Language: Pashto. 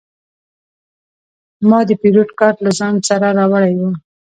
ما د پیرود کارت له ځان سره راوړی و.